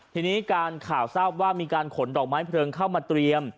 ทีนี้การข่าวทราบว่ามีการขนดอกไม้เพลิงเข้ามาเตรียม